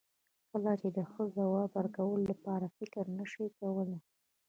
کله چې د ښه ځواب ورکولو لپاره فکر نشې کولای.